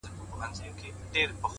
ته به د غم يو لوى بيابان سې گراني.!